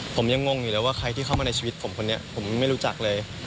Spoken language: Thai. ผมยังงงอยู่แล้วว่าใครที่เข้ามาในชีวิตผมคนนี้ผมไม่รู้จักเลย